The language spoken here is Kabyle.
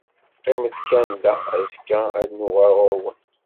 Qqimet kan da; azekka ad d-nuɣal ɣur-wen.